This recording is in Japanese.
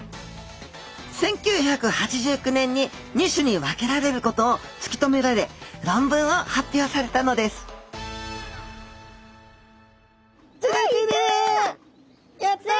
１９８９年に２種に分けられることを突き止められ論文を発表されたのです釣れてる！